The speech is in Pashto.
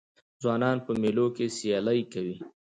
ځوانان په مېلو کښي سیالۍ کوي.